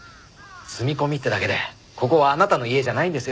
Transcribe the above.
住み込みってだけでここはあなたの家じゃないんですよ。